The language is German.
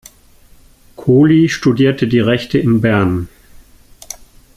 Kohli studierte die Rechte in Bern.